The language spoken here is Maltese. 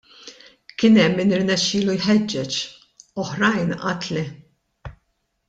Kien hemm min irnexxielu jħeġġeġ, oħrajn għad le.